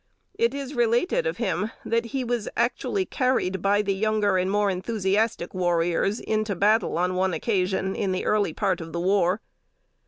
It is related of him, that he was actually carried, by the younger and more enthusiastic warriors, into battle on one occasion, in the early part of the war.